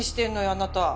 あなた。